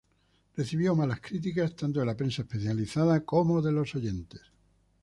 Recibió malas críticas tanto de la prensa especializada como de los oyentes.